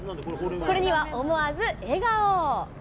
これには思わず笑顔。